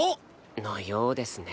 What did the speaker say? のようですね。